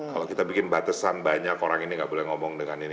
kalau kita bikin batasan banyak orang ini nggak boleh ngomong dengan ini